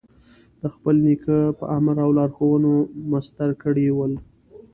د خپل نیکه په امر او لارښوونه مسطر کړي ول.